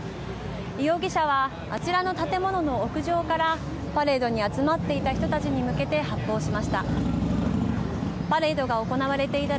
容疑者はあちらの建物の屋上からパレードに集まっていた人たちに向けて発砲しました。